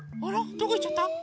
どこいっちゃった？